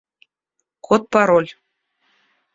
Код-пароль